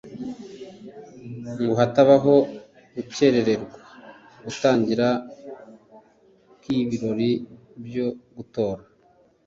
ngo hatabaho gukererwa gutangira kw’ibirori byo gutora.